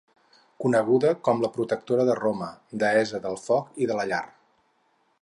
Coneguda com la protectora de Roma, deessa del Foc i de la Llar.